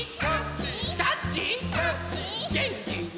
げんきに！